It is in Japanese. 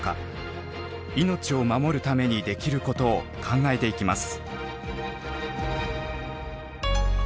命を守るためにできることを考えていきます。